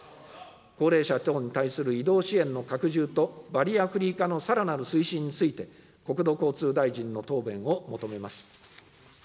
高齢者等に対する移動支援の拡充と、バリアフリー化のさらなる推進について、国土交通大臣の答弁を求めます。